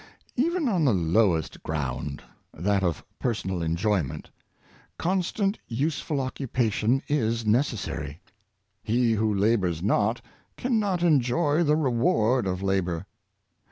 Even on the lowest ground — that of personal enjoy ment— constant useful occupation is necessary. He who labors not can not enjoy the reward of labor.